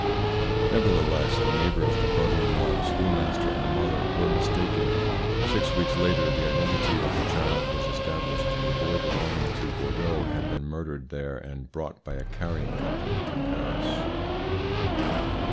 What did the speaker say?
"Nevertheless, the neighbours, the brother in law, the schoolmaster, and the mother were mistaken. Six weeks later the identity of the child was established. The boy, belonging to Bordeaux, had been murdered there and brought by a carrying company to Paris."